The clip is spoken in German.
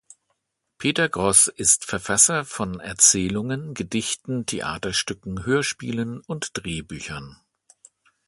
Peter Grosz ist Verfasser von Erzählungen, Gedichten, Theaterstücken, Hörspielen und Drehbüchern.